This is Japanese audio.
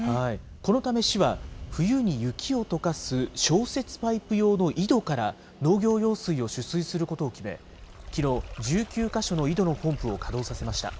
このため市は、冬に雪をとかす消雪パイプ用の井戸から、農業用水を取水することを決め、きのう、１９か所の井戸のポンプを稼働させました。